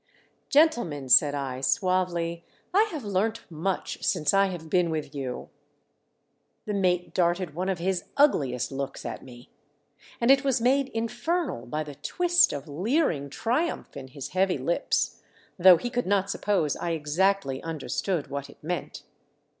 "Gentlemen,^ said I, suavely. "I have learnt much since I have been with you." THE WEATHER HELPS MY SCHEME. 483 The mate darted one of his ugliest looks at me. And it was made infernal by the twist of leering triumph in his heavy lips, though he could not suppose I exactly under stood what it meant.